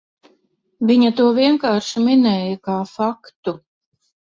Viņa to vienkārši minēja kā faktu.